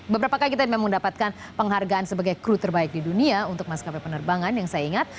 beberapa kali kita memang mendapatkan penghargaan sebagai kru terbaik di dunia untuk maskapai penerbangan yang saya ingat